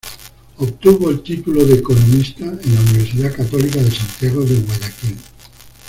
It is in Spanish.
Obtuvo el título de economista en la Universidad Católica de Santiago de Guayaquil.